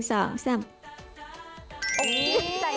ซักสิ่งเลยค่ะ